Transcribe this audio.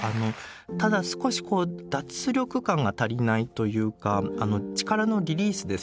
ただ少し脱力感が足りないというか力のリリースですよね。